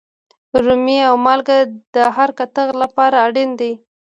رومي او مالگه د هر کتغ لپاره اړین دي.